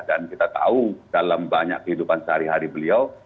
dan kita tahu dalam banyak kehidupan sehari hari beliau